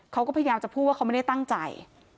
เขาก็พยายามจะพูดว่าเขาไม่ได้ตั้งใจ